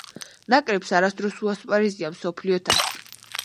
ნაკრებს არასდროს უასპარეზია მსოფლიო თასზე.